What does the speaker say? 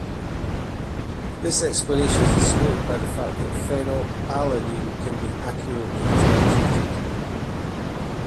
This explanation is supported by the fact that phenylalanine can be accurately titrated.